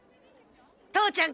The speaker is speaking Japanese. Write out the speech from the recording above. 父ちゃん